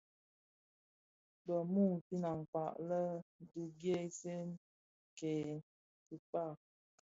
Bë mumfin akpaň lè dhi gènè kè dhikpag.